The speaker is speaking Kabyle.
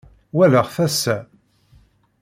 Walaɣ-t ass-a.